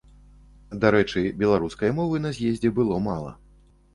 Дарэчы, беларускай мовы на з'ездзе было мала.